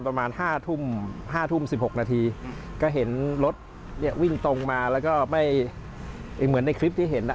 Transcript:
ประมาณ๕ทุ่ม๕ทุ่ม๑๖นาทีก็เห็นรถเนี่ยวิ่งตรงมาแล้วก็ไม่เหมือนในคลิปที่เห็นอ่ะ